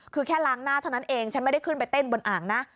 คือแค่ล้างหน้าเท่านั้นเองฉันไม่ได้ขึ้นไปเต้นบนอ่างนะ